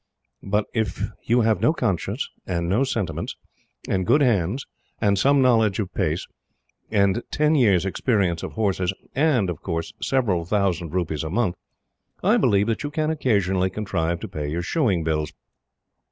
But if you have no conscience and no sentiments, and good hands, and some knowledge of pace, and ten years' experience of horses, and several thousand rupees a month, I believe that you can occasionally contrive to pay your shoeing bills.